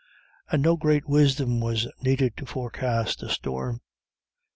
And no great wisdom was needed to forecast a storm.